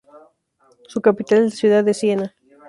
Su capital es la ciudad de Siena.